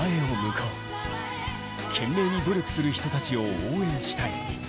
懸命に努力する人たちを応援したい。